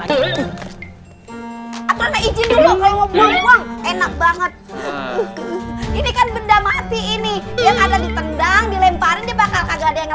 enak banget ini kan benda mati ini yang ada di tendang dilemparin dia bakal kagak ada yang